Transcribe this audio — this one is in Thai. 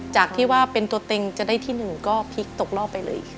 จากที่ว่าเป็นตัวเต็งจะได้ที่๑ก็พลิกตกรอบไปเลย